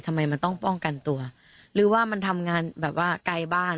ทำไมมันต้องป้องกันตัวหรือว่ามันทำงานแบบว่าไกลบ้าน